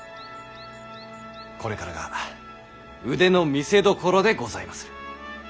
これからが腕の見せどころでございまする。